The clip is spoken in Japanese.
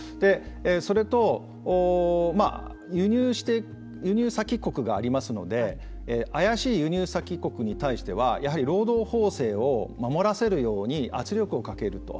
それと、輸入先国がありますので怪しい輸入先国に対してはやはり労働法制を守らせるように圧力をかけると。